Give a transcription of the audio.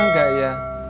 lama gak ya